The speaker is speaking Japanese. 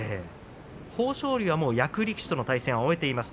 豊昇龍はもう役力士との対戦は終えています。